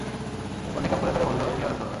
তারপর নেকাব খুলে ফেলে বলল, ইয়া রাসূলাল্লাহ!